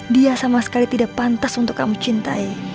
dia sama sekali tidak pantas untuk kamu cintai